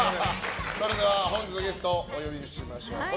それでは本日のゲストお呼びしましょう。